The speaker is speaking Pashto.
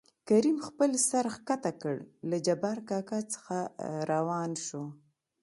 کريم خپل سر ښکته کړ له جبار کاکا څخه راوان شو.